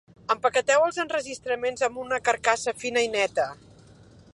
Empaqueteu els enregistraments amb una carcassa fina i neta.